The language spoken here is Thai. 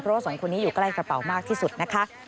เพราะว่าสองคนนี้อยู่ใกล้กระเป๋ามากที่สุดนะคะ